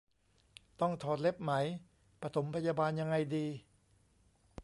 ต้องถอดเล็บไหม ปฐมพยาบาลยังไงดี